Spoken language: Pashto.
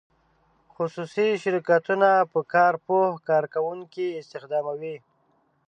خصوصي شرکتونه په کار پوه کارکوونکي استخداموي.